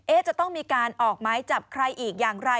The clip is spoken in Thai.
จะต้องมีการออกไม้จับใครอีกอย่างไร